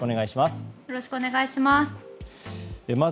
よろしくお願いします。